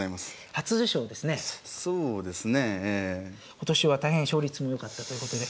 今年は大変勝率も良かったということで。